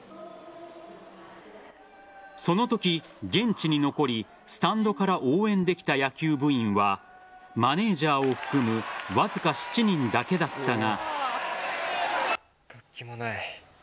そのとき、現地に残りスタンドから応援できた野球部員はマネージャーを含むわずか７人だけだったが。